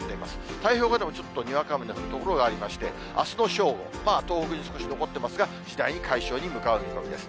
太平洋側でもちょっとにわか雨の降る所がありまして、あすの正午、東北に少し残っていますが、次第に解消に向かう見込みです。